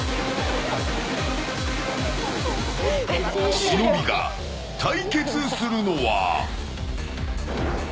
忍が対決するのは。